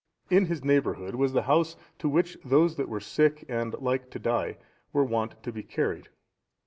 In his neighbourhood was the house to which those that were sick, and like to die, were wont to be carried.